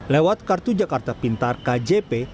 lewat kartu jakarta pintar kjp